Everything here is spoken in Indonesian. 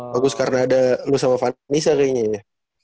bagus karena ada lu sama fannisa kayaknya ya